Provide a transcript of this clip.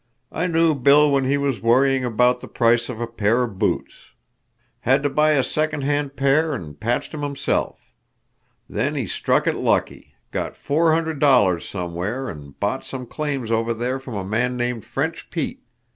I knew Bill when he was worrying about the price of a pair of boots. Had to buy a second hand pair an' patched 'em himself. Then he struck it lucky, got four hundred dollars somewhere, and bought some claims over there from a man named French Pete.